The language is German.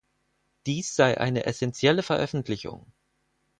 Dies sei eine essentielle Veröffentlichung.